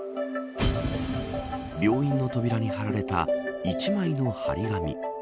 病院の扉に貼られた１枚の貼り紙。